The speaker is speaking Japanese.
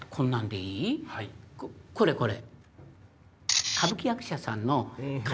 これこれ。